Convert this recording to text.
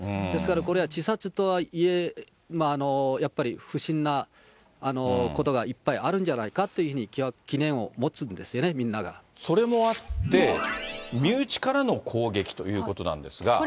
ですからこれは、自殺とはいえ、やっぱり不審なことがいっぱいあるんじゃないかというふうに、疑それもあって、身内からの攻撃ということなんですが。